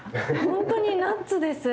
本当にナッツです！